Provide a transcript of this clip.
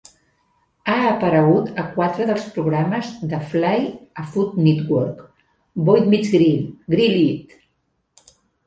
Ha aparegut a quatre dels programes de Flay a Food Network: "Boy Meets Grill", "Grill it!".